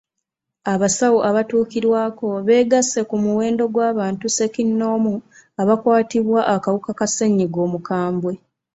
Abasawo abatuukirwako beegasse ku muwendo gw'abantu ssekinnoomu abaakwatibwa akawuka ka ssennyiga omukambwe.